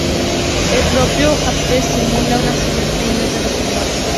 El propio Hades simula un accidente y es dado por muerto.